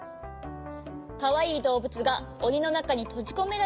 かわいいどうぶつがおりのなかにとじこめられているね。